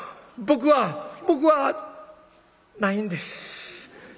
僕は僕はないんです。